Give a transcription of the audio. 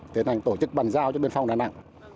tiến hành tổ chức bàn giao cho biên phong đà nẵng